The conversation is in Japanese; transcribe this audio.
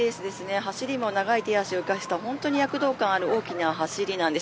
走りも長い手足を生かした躍動感ある大きな走りです。